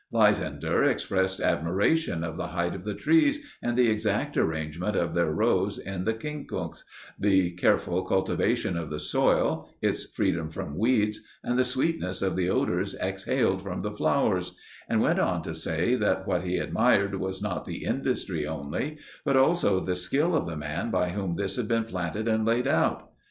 Lysander expressed admiration of the height of the trees and the exact arrangement of their rows in the quincunx, the careful cultivation of the soil, its freedom from weeds, and the sweetness of the odours exhaled from the flowers, and went on to say that what he admired was not the industry only, but also the skill of the man by whom this had been planned and laid out.